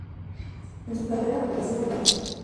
En su carrera apareció en varios clubes.